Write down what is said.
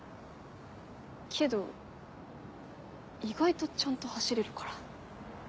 けど意外とちゃんと走れるから。